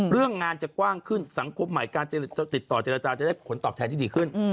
เรื่องงานจะกว้างขึ้นสังคมใหม่การติดต่อเจรจาจะได้ผลตอบแทนที่ดีขึ้น